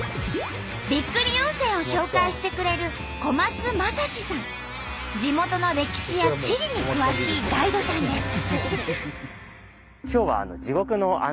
びっくり温泉を紹介してくれる地元の歴史や地理に詳しいガイドさんです。